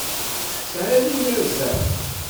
Tesεiḍ inerza.